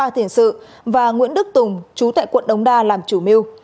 ba thiền sự và nguyễn đức tùng chú tại quận đống đa làm chủ mưu